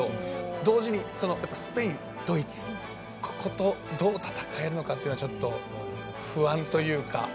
同時にスペイン、ドイツここと、どう戦えるのかがちょっと不安というか。